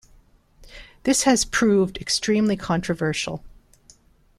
This has proved extremely controversial.